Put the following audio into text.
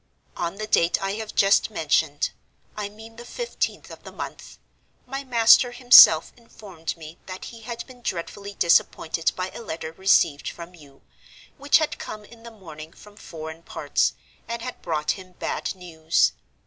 "On the date I have just mentioned—I mean the fifteenth of the month—my master himself informed me that he had been dreadfully disappointed by a letter received from you, which had come in the morning from foreign parts, and had brought him bad news.